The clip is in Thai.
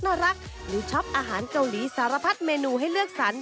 หรือชอบอาหารเกาหลีสารพัดเมนูให้เลือกสรร